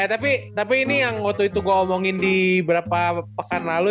tapi ini yang waktu itu gue omongin di beberapa pekan lalu